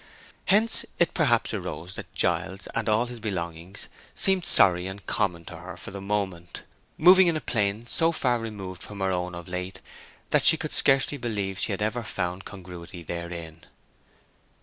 Hence it perhaps arose that Giles and all his belongings seemed sorry and common to her for the moment—moving in a plane so far removed from her own of late that she could scarcely believe she had ever found congruity therein.